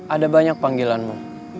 ada banyak panggilanmu